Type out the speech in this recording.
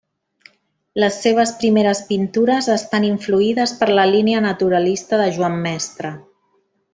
Les seves primeres pintures estan influïdes per la línia naturalista de Joan Mestre.